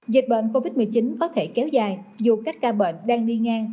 dịch bệnh covid một mươi chín có thể kéo dài dù các ca bệnh đang nghi ngang